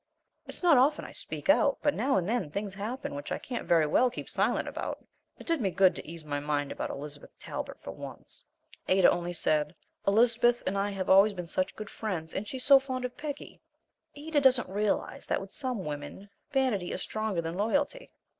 It's not often I speak out, but now and then things happen which I can't very well keep silent about. It did me good to ease my mind about Elizabeth Talbert for once. Ada only said, "Elizabeth and I have always been such good friends, and she's so fond of Peggy." Ada doesn't realize that with some women vanity is stronger than loyalty.